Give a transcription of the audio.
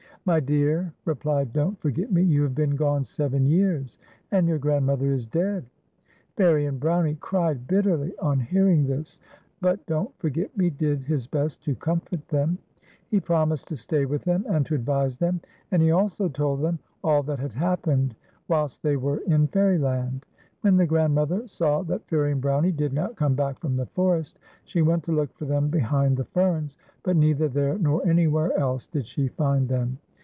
"My dear," replied Don't Forget Me, "you have been gone seven years, and your grandmother is dead." Fairie and Jkownie cried bitterly on hearing this, but Don't Forget Me did his best to comfort them. He promised to stay with them and to advise them, and he also told them all that had happened whilst tliey were in Fairyland. When the old grandmother saw that Fairie and Brownie did not come back from the forest, she went to look for them behind the ferns, but neither there nor anywhere else did she find them.